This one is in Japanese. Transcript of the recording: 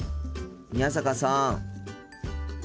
宮坂さん。